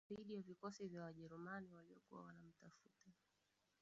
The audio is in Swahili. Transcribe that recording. Dhidi ya vikosi vya Wajerumani waliokuwa wanamtafuta